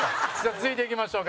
続いて、いきましょうか。